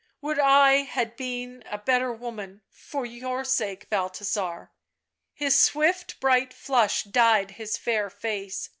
" Would I had been a better woman, for your sake, Balthasar." His swift bright flush dyed his fair face.